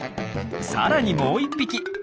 さらにもう１匹！